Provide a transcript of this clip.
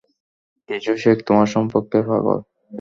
কিছু শেখ তোমার সম্পর্কে পাগল?